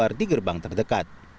untuk menemukan gerbang terdekat